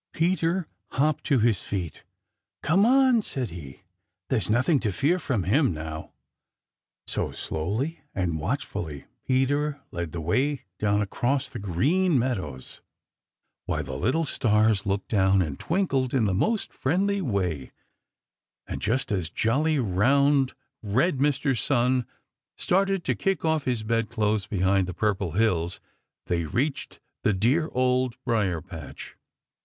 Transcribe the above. Peter hopped to his feet. "Come on," said he. "There's nothing to fear from him now." So slowly and watchfully Peter led the way down across the Green Meadows while the little Stars looked down and twinkled in the most friendly way, and just as jolly, round, red Mr. Sun started to kick off his bedclothes behind the Purple Hills they reached the dear Old Briar patch.